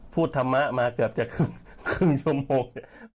ธรรมะมาเกือบจะครึ่งชั่วโมง